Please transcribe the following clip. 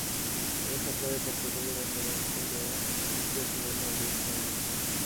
তবে সরকারের পক্ষ থেকে বন্দোবস্ত দেওয়ার প্রক্রিয়া শুরু হলে আবেদন করা হবে।